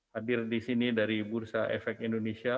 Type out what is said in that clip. hadir di sini dari bursa efek indonesia